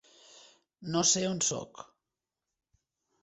No sé on soc.